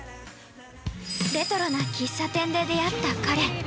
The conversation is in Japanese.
◆レトロな喫茶店で出会った彼。